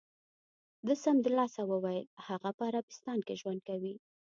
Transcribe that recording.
ده سمدلاسه و ویل: هغه په عربستان کې ژوند کوي.